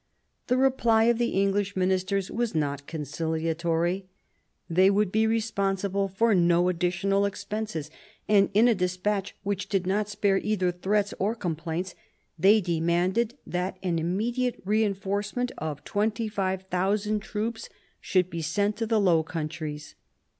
The reply of the English ministers was not concili atory. They would be responsible for no additional expenses ; and, in a despatch which did not spare either threats or complaints, they demanded that an immediate reinforcement of 25,000 troops should be sent to the 1748 55 CHANGE OF ALLIANCES 101 Low Countries.